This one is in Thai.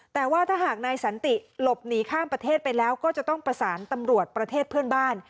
แต่ว่าถ้าหากนายสันติหลบหนีข้ามประเทศไปแล้วก็จะต้องประสานตำรวจประเทศเพื่อนบ้าน